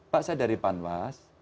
pak saya dari panwas